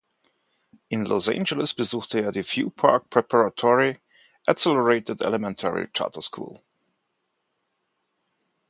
In Los Angeles besuchte er die View Park Preparatory Accelerated Elementary Charter School.